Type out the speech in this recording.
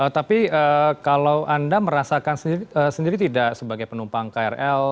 tapi kalau anda merasakan sendiri tidak sebagai penumpang krl